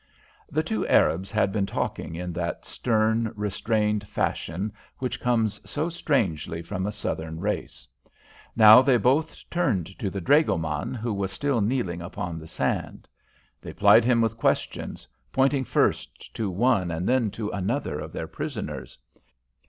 The two Arabs had been talking in that stern, restrained fashion which comes so strangely from a southern race. Now they both turned to the dragoman, who was still kneeling upon the sand. They plied him with questions, pointing first to one and then to another of their prisoners.